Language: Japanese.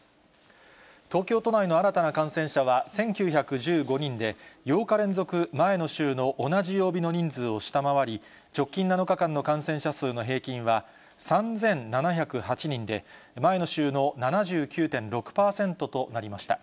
東京都内の新たな感染者は１９１５人で、８日連続、前の週の同じ曜日の人数を下回り、直近７日間の感染者数の平均は３７０８人で、前の週の７９．６％となりました。